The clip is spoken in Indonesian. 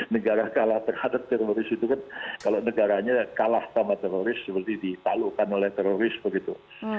negara kalah terhadap teroris itu kan kalau negaranya kalah sama teroris seperti ditalukan oleh teroris begitu